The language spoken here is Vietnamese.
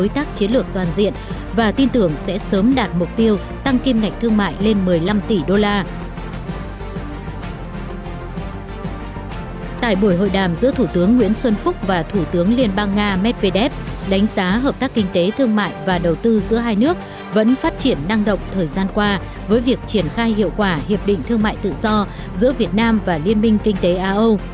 thủ tướng nguyễn xuân phúc và thủ tướng liên bang nga medvedev đánh giá hợp tác kinh tế thương mại và đầu tư giữa hai nước vẫn phát triển năng động thời gian qua với việc triển khai hiệu quả hiệp định thương mại tự do giữa việt nam và liên minh kinh tế a âu